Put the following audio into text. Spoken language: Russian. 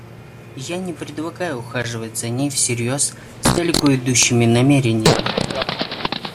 Я не предлагаю ухаживать за ней всерьез с далеко идущими намерениями.